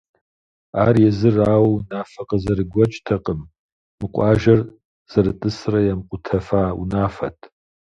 Ар езыр ауэ унафэ къызэрыгуэкӏтэкъым — мы къуажэр зэрытӏысрэ ямыкъутэфа унафэт.